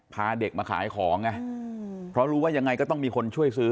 พาเด็กมาขายของไงเพราะรู้ว่ายังไงก็ต้องมีคนช่วยซื้อ